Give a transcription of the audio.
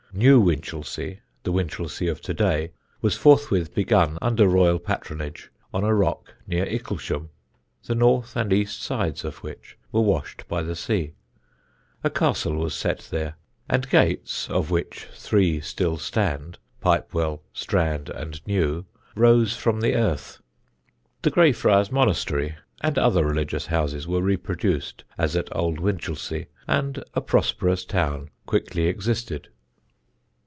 New Winchelsea, the Winchelsea of to day, was forthwith begun under royal patronage on a rock near Icklesham, the north and east sides of which were washed by the sea. A castle was set there, and gates, of which three still stand Pipewell, Strand and New rose from the earth. The Grey Friars monastery and other religious houses were reproduced as at Old Winchelsea, and a prosperous town quickly existed.